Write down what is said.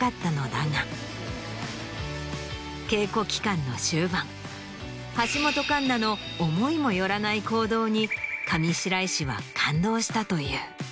稽古期間の終盤橋本環奈の思いも寄らない行動に上白石は感動したという。